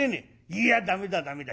「いや駄目だ駄目だ。